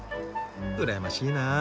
羨ましいなあ。